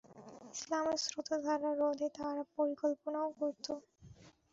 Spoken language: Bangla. ইসলামের স্রোতধারা রোধে তারা পরিকল্পনাও করত।